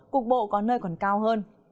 cục bộ có nơi còn cao hơn